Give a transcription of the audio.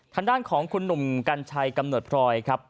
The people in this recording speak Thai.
ทางด้านของคุณหนุ่มกัญชัยกำเนิดพรอยครับ